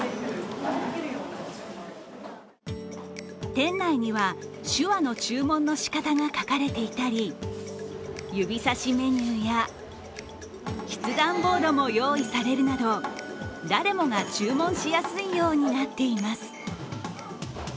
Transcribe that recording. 店内には、手話の注文のしかたが書かれていたり指さしメニューや筆談ボードも用意されるなど誰もが注文しやすいようになっています。